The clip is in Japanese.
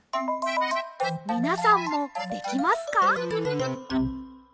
みなさんもできますか？